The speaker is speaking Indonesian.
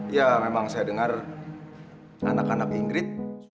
ya memang saya dengar anak anak ingrid